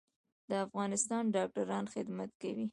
د افغانستان ډاکټران خدمت کوي